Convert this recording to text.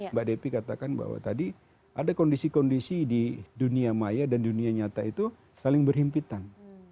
mbak depi katakan bahwa tadi ada kondisi kondisi di dunia maya dan dunia nyata itu saling berhimpitan